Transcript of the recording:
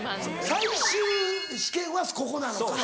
最終試験はここなのか。